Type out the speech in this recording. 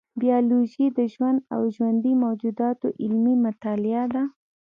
بیولوژي د ژوند او ژوندي موجوداتو علمي مطالعه ده